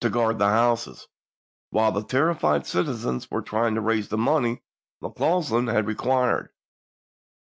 guard the houses, while the terrified citizens were trying to raise the money McCausland had re quired.